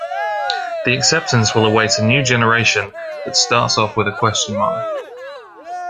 The acceptance will await a new generation that starts off with a question mark.